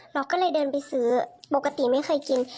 เราก็เลยเดินไปซื้อปกติไม่เคยกิน